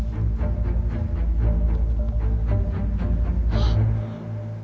あっ！